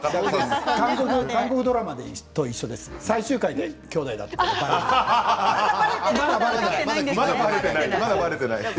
韓国ドラマと一緒です。